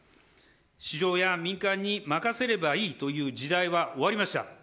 市場や民間に任せればいいという時代は終わりました。